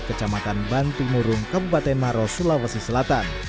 kecamatan bantimurung kabupaten maros sulawesi selatan